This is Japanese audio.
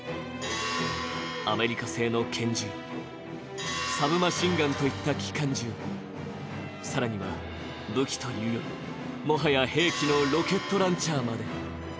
アメリカ製の拳銃、サブマシンガンといった機関銃、更には武器というより、もはや兵器のロケットランチャーまで。